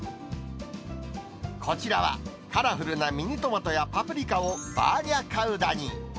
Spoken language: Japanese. こちらは、カラフルなミニトマトやパプリカをバーニャカウダに。